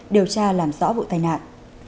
điều tra làm rõ vụ tai nạn